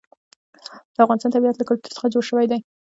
د افغانستان طبیعت له کلتور څخه جوړ شوی دی.